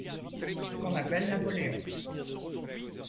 Qu'on appelle Napoléon.